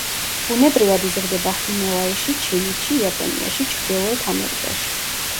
ბუნებრივად იზრდება ჰიმალაიში, ჩინეთში, იაპონიაში, ჩრდილოეთ ამერიკაში.